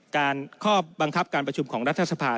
ข้อบังคับการประชุมของรัฐสภา